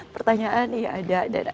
pertanyaan iya ada